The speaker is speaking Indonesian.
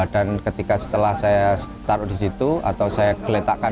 dan ketika setelah saya taruh disitu atau saya geletakkan